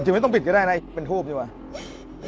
จริงไม่ต้องปิดก็ได้นะเป็นภูมิจริงป่ะ